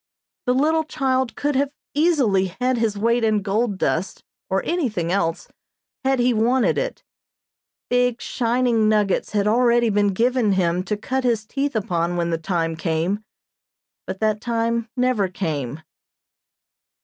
The little child could have easily had his weight in gold dust, or anything else, had he wanted it. Big, shining nuggets had already been given him to cut his teeth upon when the time came, but that time never came.